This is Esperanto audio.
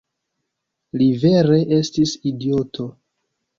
Li vere estis idioto!